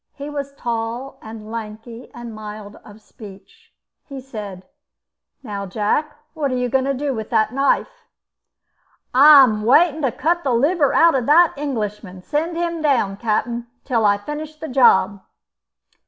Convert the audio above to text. He was tall and lanky and mild of speech. He said: "Now, Jack, what are you going to do with that knife?" "I am waiting to cut the liver out of that Englishman. Send him down, Captain, till I finish the job."